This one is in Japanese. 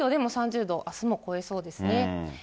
北海道でも３０度、あすも超えそうですね。